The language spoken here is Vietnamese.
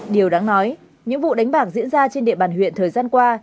điều đáng nói những vụ đánh bạc diễn ra trên địa bàn huyện thời gian qua